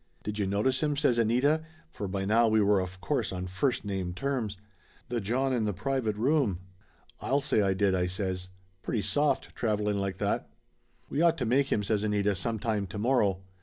"Did you notice him?" says Anita, for by now we were of course on first name terms. "The John in the private room?" "I'll say I did !" I says. "Pretty soft, traveling like that!" "We ought to make him," says Anita, "sometime to morrow !"